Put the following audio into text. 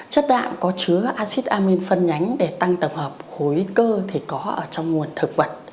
chất đạm có chứa acid amine phân nhánh để tăng tầm hợp khối cơ thì có trong nguồn thực vật